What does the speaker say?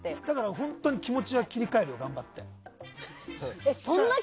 本当に気持ちは切り替える頑張って。